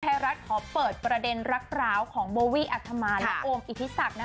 ไทยรัฐขอเปิดประเด็นรักร้าวของโบวี่อัธมานและโอมอิทธิศักดิ์